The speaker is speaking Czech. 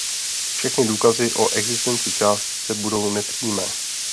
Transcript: Všechny důkazy o existenci částice budou nepřímé.